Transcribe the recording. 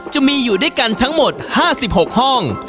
จะมีอยู่ด้วยกันทั้งหมด๕๖ห้อง